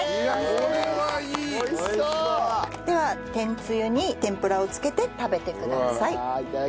ではてんつゆに天ぷらをつけて食べてください。